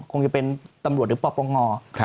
คงจะเป็นตำรวจหรือปปง